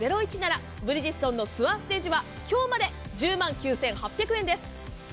ブリヂストンのツアーステージは今日まで１０万９８００円です。